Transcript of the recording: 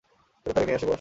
চলো তাকে নিয়ে আসি বস?